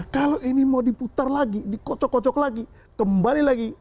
kalau ini mau diputar lagi dikocok kocok lagi kembali lagi